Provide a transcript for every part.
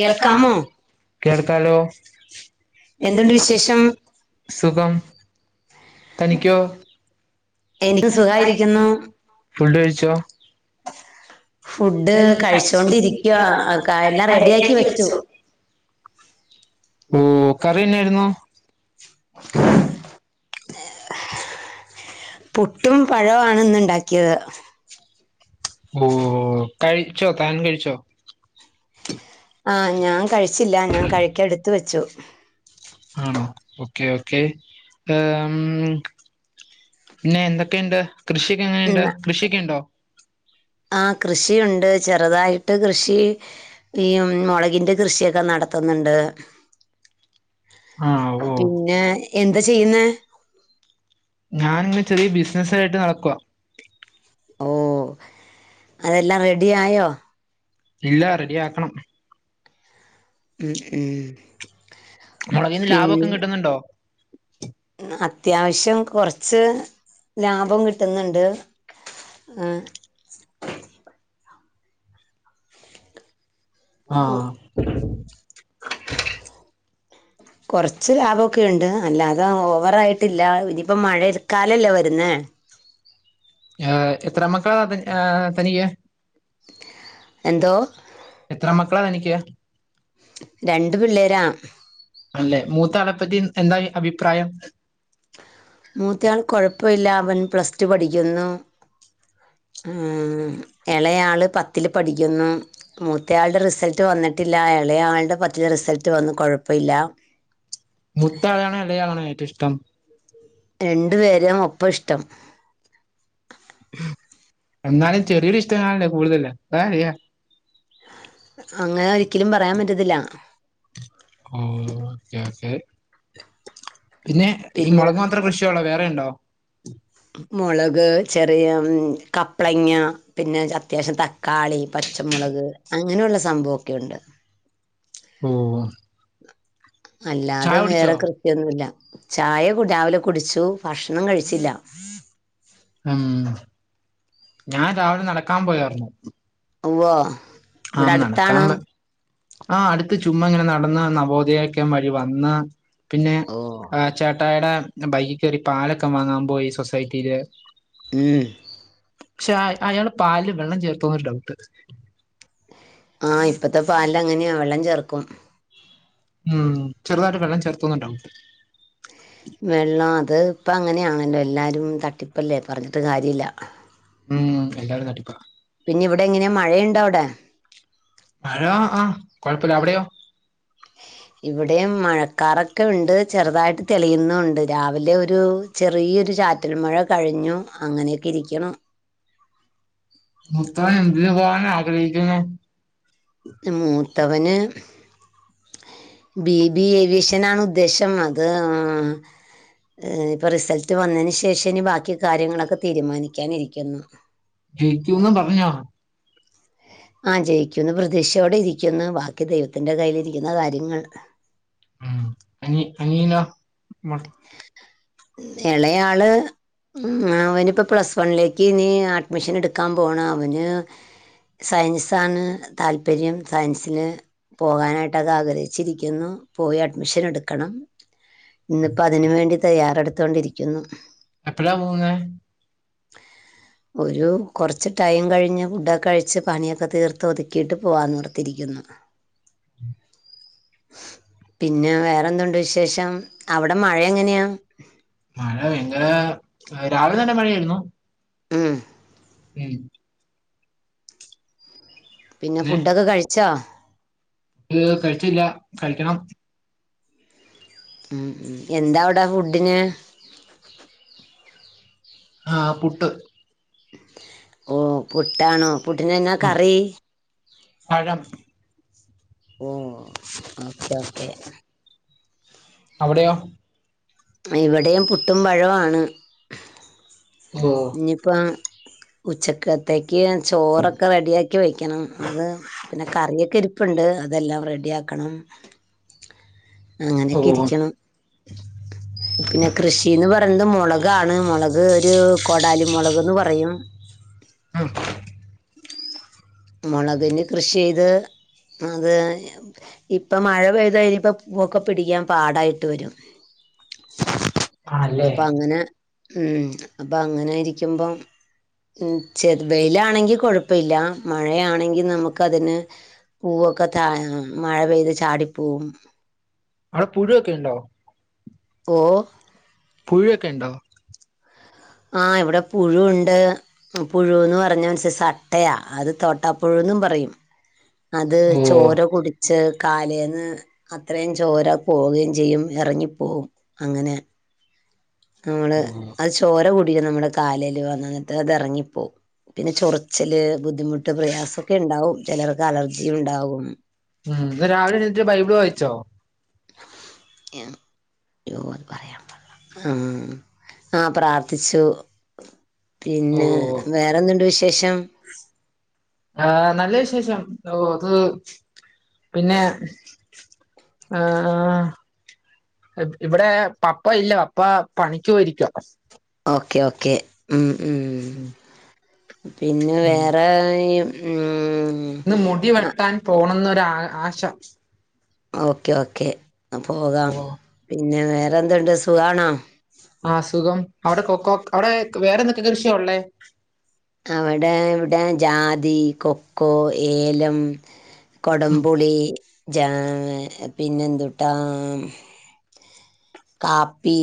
കേൾക്കാമോ കേൾക്കാലോ എന്തുണ്ട് വിശേഷം സുഖം തനിക്കോ എനിക്ക് എനിക്കും സുഖായിരിക്കുന്നു സുഖമായിരിക്കുന്നു ഫുഡ് കഴിച്ചോ ഫുഡ് കഴിച്ചോണ്ടിരിക്കവാ എല്ലാം റെഡിയാക്കി വെച്ചു ഉം കറി എന്നായിരുന്നു പുട്ടും പഴവും ആണ് ഇന്ന് ഉണ്ടാക്കിയത് ഓ കഴിച്ചോ താൻ കഴിച്ചോ ആഹ് ഞാൻ കഴിച്ചില്ല ഞാൻ കഴിക്കൻഎടുത്തു വെച്ചു ആണോ ഓക്കെ ഓക്കേ പിന്നെ എന്തൊക്കെയുണ്ട് കൃഷിയൊക്കെ ഉം, എങ്ങനെയുണ്ട് കൃഷിയൊക്കെ ഉണ്ടോ ആ കൃഷിയുണ്ട് ചെറുതായിട്ട് കൃഷി ഈ മുളകിൻന്റെ കൃഷിയൊക്കെ നടത്തുന്നുണ്ട് ആഹ് ഓ പിന്നെ എന്താ ചെയ്യുന്നേ ഞാനിങ്ങനെ ചെറിയ ബിസിനസ ആയിട്ട് നടക്ക ഓ അതെല്ലാം റെഡി ആയോ ഇല്ല റെഡി ആക്കണം ഉം ഉം മുളകിന്ന് ലാഭമൊക്കെ പിന്നെ കിട്ടുന്നുണ്ടോ അത്യാവശ്യം കുറച്ച് ലാഭം കിട്ടുന്നുണ്ട് ആഹ് ആഹ് കൊർച്ച് ലാഭൊക്കെയുണ്ട്. അല്ലാതെ ഓവറായിട്ടില്ല. ഇനിയിപ്പോ മഴ ൽ കാലല്ലേ വരുന്നേ ഏ എത്ര മക്കളാ ത ഏഹ് തനിക്ക് എന്തോ എത്ര മക്കളാ തനിക്ക് രണ്ട് പിള്ളേരാ അല്ലെ മൂത്താളെപ്പറ്റി എന്താ അഭിപ്രായം മൂത്തയാൾ കൊഴപ്പവില്ല അവൻ പ്ലസ് ടു പഠിക്കുന്നു ഉം എളേയാള് പത്തില് പഠിക്കുന്നു മൂത്തയാളുടെ റിസൾട്ട് വന്നിട്ടില്ല എളേയാളുടെ പത്തിലറിസൾട്ട് വന്നു കൊഴപ്പഇല്ല മുത്താളെയാണൊ എളയാളാണൊ ഏറ്റു ഇഷ്ടം രണ്ടു പേരേം ഒപ്പം ഇഷ്ടം എന്നാലും ചെറിയൊരു ഇഷ്ടം കാണില്ലേ കൂടുതല് അതാരെയ അങ്ങനെ ഒരിക്കലും പറയാൻ പറ്റത്തില്ല ഓ ഓ ഓക്കെ ഓക്കെ പിന്നെ ഈ പിന്നെ മൊളക്ക് മാത്രം കൃ ഷി ഒള്ളോ വേറെ ഇണ്ടോ മൊളക് ചെറിയ കപ്ളങ്ങ പിന്നെ അത്യാവശ്യം ത ക്കാളി പച്ചമുളക് അങ്ങനെയുള്ള സംഭവൊക്കെ ഉണ്ട് ഉം അല്ലാതെ വേറെ കൃ ഷി ഒന്നുല്ല, ചായ രാവിലെ കുടിച്ചു ഭക്ഷണം കഴിച്ചില്ല. ഉം ഞാൻ രാവിലെ നടക്കാൻ പോയാർന്നു ഉവ്വോ ആഹ് നടക്കാം ന്ന് ആഹ് അടുത്ത്‌ ചുമ്മാ ഇങ്ങനെ നടന്ന് നവോദയക്യാം വഴി വന്ന് പിന്നെ ഓ ചേട്ടായടെ ബൈക്കി കേറി പാലൊക്കെ വാങ്ങാൻ പോയി സൊസൈറ്റീല് ഉം. പക്ഷെ അയാള് പാൽല് വെള്ളം ചേർത്തോന്നൊരു ഡൗട്ട് ആ ഇപ്പത്തെ പാൽലങ്ങനെയാ വെള്ളം ചേർക്കും ഉം ചെറുതായിട്ട് വെള്ളം ചേർത്തോന്നൊരു ഡൗട്ട് വെള്ളം അത് ഇപ്പങ്ങനെയാണല്ലോ എല്ലാരും തട്ടിപ്പല്ലേ പറഞ്ഞിട്ട് കാര്യഇല്ല ഉം എല്ലാവരും തട്ടിപ്പ പിന്നിവിടെ എങ്ങനെയാ മഴയുണ്ടോ അവിടെ മഴ ആഹ് കൊഴപ്പല്ല അവിടെയോ ഇവിടെയും മഴക്കാറൊക്കെ ഉണ്ട് ചെറുതായിട്ട് തെളിയുന്നു ഉണ്ട് രാവിലെ ഒരു ചെറിയൊരു ചാറ്റൽ മഴ കഴിഞ്ഞു. അങ്ങനെയൊക്കെ ഇരിക്കണം മൂത്തവൻ എന്തിന് പോവാന ആഗ്രഹിക്കുന്നെ മൂത്തവന് ബി ബി ഏവിയേഷനാണ് ഉദ്ദേശം അത് ഉം ഈഹ് ഇപ്പ റിസൾട്ട് വന്നതിന് ശേഷ ഇനി ബാക്കി കാര്യങ്ങളൊക്കെ തീരുമാനിക്കാനിരിക്കുന്നു ജയിക്കൂന്ന് പറഞ്ഞോ ആ ജയിക്കുന്നു പ്രതീക്ഷയോടെ ഇരിക്കുന്നു ബാക്കി ദൈവത്തിൻറെ കയ്യിലിരിക്കുന്ന കാര്യങ്ങൾ ഉം അനി അനിയനോ മ്മടെ എളേയാള് ഉം അവനിപ്പൊ പ്ലസ് വണ്ണിലേക്ക്നി അഡ്മിഷൻ എടുക്കാൻ പോണം അവന് സയൻസാണ് താല്പര്യം സയൻസില് പോകാനായിട്ടത് ആഗ്രഹിച്ചിരിക്കുന്നു. പോയി അഡ്മിഷൻ എടുക്കണം ഇന്ന് ഇപ്പ അതിന് വേണ്ടി തയ്യാറെടുത്തോണ്ടിരിക്കുന്നു. എപ്പഴാ പോകുന്നേ? [inaudible] ഒരു കുറച്ച് ടൈം കഴിഞ്ഞ് ഫുഡൊക്കെ കഴിച്ചു പണിയൊക്കെ തീർത്ത് ഒതുക്കിയിട്ട് പോവാന്ന് ഓർത്തിരിക്കുന്നു. പിന്നെ വേറെന്തണ്ട് വിശേഷം അവിടെ? അവിടെ മഴ എങ്ങനെയാ? മഴ ഭയങ്കര രാവിലെ തന്നെ മഴയായിരുന്നു. ഉം. ഉം. പിന്നെ ഫുഡൊക്കെ കഴിച്ചോ? ഇഹ്, കഴിച്ചില്ല കഴിക്കണം. ഉം. എന്താവിടെ ഫുഡിന്? ആ, പുട്ട്. ഓ പുട്ടാണോ, പുട്ടിന് എന്നാ ഉം കറി? പഴം. ഓ, ഓക്കേ ഓക്കേ. അവിടെയോ? ഇവിടെയും പുട്ടും പഴമാണ്. ഓ ഇനിയിപ്പോ- ഉച്ചക്കത്തേക്ക് ചോറൊക്കെ റെഡിയാക്കി വയ്ക്കണം അത് പിന്നെ കറിയക്കെ ഇരിപ്പുണ്ട്. അതെല്ലാം റെഡി ആക്കണം. ഓ. പിന്നെ കൃഷിന്ന് പറയുന്നത് മുളകാണ്. മുളക് ഒരു കൊടാലി മുളക് എന്ന് പറയും. ഉം. മുളകന് കൃഷി ചെയ്ത് അത് ഇപ്പോ മഴ പെയ്ത് കഴിഞ്ഞപ്പോ പൂവൊക്കെ പിടിക്കാൻ പാടായിട്ട് വരും. ആണല്ലേ അപ്പോ അങ്ങനെ ഉം. അപ്പോ അങ്ങനൊയിരിക്കുമ്പോ- ചെറ് വെയിലാണെങ്കിൽ കുഴപ്പമില്ല. മഴയാണെങ്കിൽ നമുക്ക് അതിന് പൂവൊക്കെ തയെ മഴ പെയ്ത് ചാടിപ്പോകും. അവിടെ പുഴുവൊക്കെ ഉണ്ടോ? ഓ. പുഴുയൊക്കെ ഉണ്ടോ? ആ, ഇവിടെ പുഴു ഉണ്ട്. പുഴുന്ന് പറഞ്ഞ അനുസരിച്ച് അട്ടയാ അത് തോട്ടാപ്പുഴുന്നും പറയും. അത് ഓ ചോര കുടിച്ച്. കാലേന്ന് അത്രയും ചോര പോവുകയും ചെയ്യും. ഇറങ്ങിപ്പോകും അങ്ങനെ- നമ്മള് ഓ അത് ചോര കൂടിക്കും. നമ്മുടെ കാലിൽ വന്നന്നിട്ട് അത് ഇറങ്ങിപ്പോവും. പിന്നെ ചൊറ് ച്ചില് ബുദ്ധിമുട്ട് പ്രയാസമൊക്കെ ഉണ്ടാവും. ചിലർക്ക് അലർജി ഉണ്ടാവും. ഉം. രാവിലെ എണീറ്റ് ബൈബിൾ വായിച്ചോ? എ [inaudible] ആ പ്രാർത്ഥിച്ചു. ഓ പിന്നെ വേറെ എന്തുണ്ട് വിശേഷം. ആ നല്ല വിശേഷം ഓ അത് പിന്നെ ആ. ഇവിടെ പപ്പ ഇല്ല. പപ്പ പണിക്കു പോയിരിക്കാണ്. ഓക്കേ ഓക്കേ ഉം ഉം ഉംപിന്നെ ഉം വേറെയും ഉം. ഇന്ന് മുടി ആ, വെട്ടാൻ പോണംന്നൊരു ആ ആശാ ഓക്കേ ഓക്കേ ആഹ് പോകാം ഓ പിന്നെ വേറെന്തുണ്ട് സുഖണോ? ആ സുഖം അവിടെ കൊക്കൊ അവിടെ വേറെന്തൊക്കെ കൃഷിയ ഉള്ളേ? അവിടെ ഇവിടെ ജാതി കൊക്കോ ഏലം. ഉം കൊടംപുളി, ജാ പിന്നെന്തുട്ടാ കാപ്പി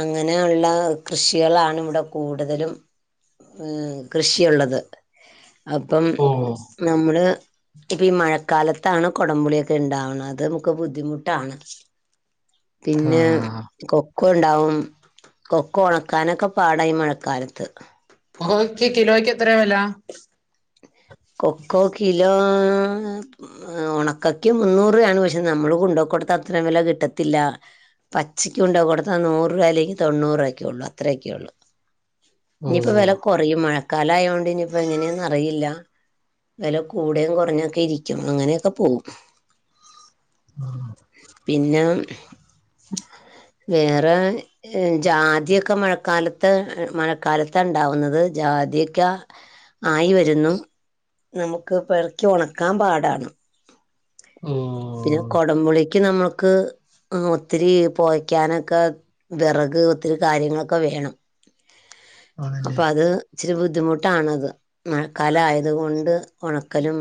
അങ്ങനെ ഒള്ള കൃഷികളണ് ഇവിടെ കൂടുതലും ഏഹ് കൃഷി ഉള്ളത് അപ്പം ഓ നമ്മള് ഇപ്പ ഈ മഴക്കാലത്താണ് കോടംപുളിയൊക്കെ ഇണ്ടാവണ അത് നമുക്ക് ബുദ്ധിമുട്ടാണ് ആ പിന്നെ കൊക്കൊ ഇണ്ടാവും കൊക്കൊ ഒണക്കാനൊക്കെ പാടാ ഈ മഴക്കാലത്ത് കോഹോയ്ക്ക് കിലോയ്ക്ക് എത്രയ വെല കൊക്കോ കിലോ ആഹ് ആഹ് ഒണക്കക്ക് മുന്നൂറ്പയാണ് പക്ഷെ നമ്മള് കൊണ്ടുകൊടുത്ത അത്രയും വില കിട്ടത്തില്ല പച്ചക്ക് കൊണ്ട് കൊടുത്താ നൂറ് രൂപ അല്ലെങ്കി തൊണ്ണൂറ് രൂപ ഒക്കെ ഉള്ളു അത്രയൊക്കെ ഉള്ളു ഓ ഇനിയിപ്പോ വില കുറയും മഴക്കാല ആയൊണ്ട് ഇനിയിപ്പോ എങ്ങനെന്ന് അറിയില്ല വില കൂടെ കുറഞ്ഞൊക്കെ ഇരിക്കും അങ്ങനെഓക്കെ പോകും ആഹ് പിന്നാ ഉം വേറാ ജാതിയൊക്കെ മഴക്കാലത്ത് മഴക്കാലത്ത ഉണ്ടാവുന്നത് ജാതിക്യാ ആയിവരുന്നു നമുക്ക് പെറക്കി ഉണക്കാൻ പാടാണ് ഓ പിന്നെ കൊടംപുളി ക്ക് നമ്മക്ക്‌ ആഹ് ഒത്തിരി പോക്കാനൊക്കെ വിറക് ഒത്തിരി കാര്യങ്ങളൊക്കെ വേണം ആണല്ലേ അപ്പൊ അത് ഇച്ചിരി ബുദ്ധിമുട്ടാണത് മഴക്കാലയ അതുകൊണ്ട് ഒണക്കലും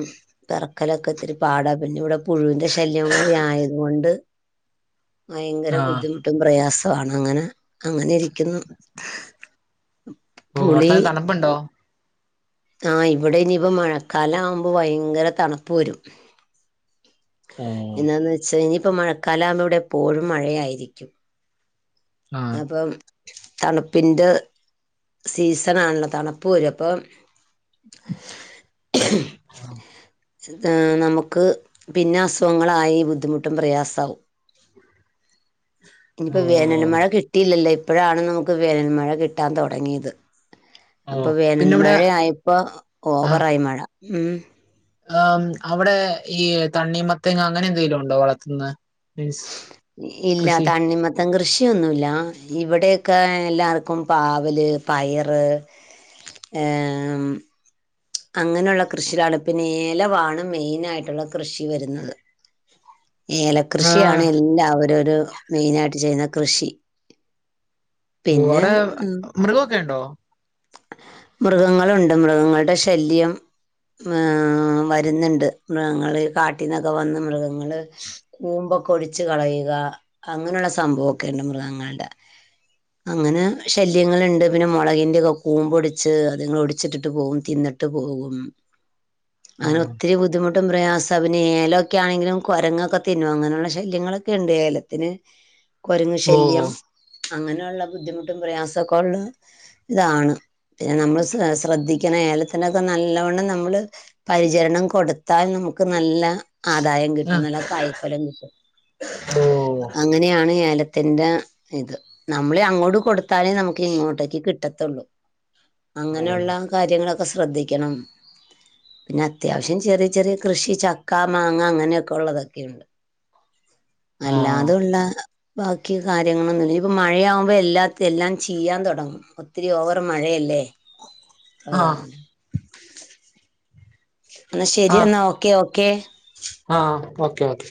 പെറക്കലൊക്കെ ഇത്തിരി പാടാ പിന്നെ ഇവിടെ പുഴുവിന്റെ ശല്യംകുടി ആയതുകൊണ്ട് ഭയങ്കര ആ ബുദ്ധിമുട്ടും പ്രയാസൊ ആണ് അങ്ങനെ അങ്ങന ഇരിക്കുന്നു പുളി ഉപ്പുണ്ടോ ആഹ് ഇവിടെ ഇനിയിപ്പോ മഴക്കാലം ആവുമ്പോ ഭയങ്കര തണുപ്പ് വരും ആഹ് എന്താന്ന് വെച്ചാൽ ഇനിയിപ്പോ മഴക്കാലമ്പോ ഇവിടെ എപ്പോഴും മഴയായിരിക്കും ആഹ് അപ്പം തണുപ്പിന്റെ സീസൺ ആണല്ലോ തണുപ്പ് വരും അപ്പം ഏഹ് നമുക്ക് പിന്നെ അസുഖങ്ങളായി ബുദ്ധിമുട്ടും പ്രയാസവും ഓ ഇനിയിപ്പോ വേനൽ മഴ കിട്ടിയില്ലല്ലോ ഇപ്പോഴാണ് നമുക്ക് വേനൽ മഴ കിട്ടാൻ തുടങ്ങിയത് ഓ അപ്പൊ വേനൽ പിന്നെ ഇവിടെ മഴ ആയപ്പോ ആഹ് ഓവറായി മഴ ഉം ആം അവിടെ ഈ തണ്ണീ മത്തേങ്ങ അങ്ങനെ എന്തെലും ഉണ്ടോ വളർത്ത്ന്നെ മീൻസ് ഇല്ല കൃഷി തണ്ണി മ മത്തം കൃഷി ഒന്നു ഇല്ല ഇവിടെയൊക്കെ എല്ലാർക്കും പാവല്, പയറ് ഏഹ് ഉം അങ്ങനെള്ള കൃഷിയിലാണ് പിന്നെ ഏലവാണ് മെയിനായിട്ടുള്ള കൃഷി വരുന്നത്. ഏല ആഹ് കൃഷിയാണ് എല്ലാവരും ഒരു മെയിനായിട്ട് ചെയ്യുന്ന കൃഷി. പിന്നെ മൂവടെ ഉം, മൃഗൊക്കെണ്ടോ. മൃഗങ്ങളുണ്ട് മൃഗങ്ങളുടെ ശല്യം. ഏഹ് വരുന്നുണ്ട് മൃഗങ്ങള് കാട്ടിന്നൊക്കെ വന്ന് മൃഗങ്ങള് കൂമ്പൊ കൊടിച്ചു കളയുക അങ്ങനെയുള്ള സംഭവൊക്കെണ്ട് മൃഗങ്ങൾടെ. അങ്ങനെ ശല്യങ്ങള്ണ്ട് പിന്നെ മുളകിന്റെ കൂമ്പൊടിച്ച് അതുങ്ങള് ഒടിച്ചിട്ടിട്ട് പോവും തിന്നിട്ട് പോകും. അങ്ങനെ ആഹ് ഒത്തിരി ബുദ്ധിമു ട്ടും പ്രയാസ പിന്നെ ഏലമൊക്കെ ആണെങ്കിലും കുരങ്ങൊക്കെ തിന്നും അങ്ങനെയുള്ള ശല്യങ്ങളൊക്കെ ഉണ്ട് ഏലത്തിന്. കൊരങ്ങ് ഓ ശല്യം അങ്ങനെയുള്ള ബുദ്ധിമുട്ടും പ്രയാസക്കൊള്ള ഇതാണ്. പിന്നെ നമ്മള് ശ്ര ശ്രദ്ധിക്കണ ഏലത്തിന്റെക്കെ നല്ലവണ്ണം നമ്മള്. പരിചരണം കൊടുത്താൽ നമുക്ക് നല്ല ആദായം കിട്ടും ആഹ് നല്ല കായ് ഫലം കിട്ടും. ഓ അങ്ങനെയാണ് ഏലം. തിന്റെ ഇത് നമ്മളി അങ്ങോട്ട് കൊടുത്താലേ നമുക്ക് ഇങ്ങോട്ടേക്ക് കിട്ടത്തുള്ളൂ. ഓ അങ്ങനെയുള്ള കാര്യങ്ങളൊക്കെ ശ്രദ്ധിക്കണം. പിന്നത്യാവശ്യം ചെറിയ ചെറിയ കൃഷി ചക്ക മാങ്ങ അങ്ങനെയൊക്കെ ഉള്ളതൊക്കെയുണ്ട്. ആഹ് അല്ലാതുള്ള. ബാക്കി കാര്യങ്ങളൊന്നുല്ല ഇഞ്ഞ്പ്പ മഴയാവുമ്പൊ എല്ലാ എല്ലാം ചിയ്യാൻ തുടങ്ങും ഒത്തിരി ഓവർ. മഴയല്ലേ ആഹ് അതുകൊണ്ട്. എന്ന ശരിയന്നാ ആഹ് ഓക്കേ ഓക്കെ. ആഹ് ഓക്കെ ഓക്കേ.